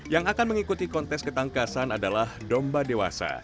yang akan mengikuti kontes ketangkasan adalah domba dewasa